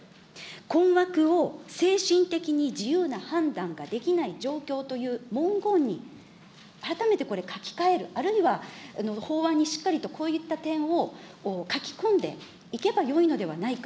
困惑を精神的に自由な判断ができない状況という文言に改めてこれ書き換える、あるいは法案にしっかりとこういった点を書き込んでいけばよいのではないか。